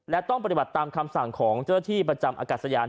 และต้องปฏิบัติตามคำสั่งของเจ้าที่ประจำอากาศยาน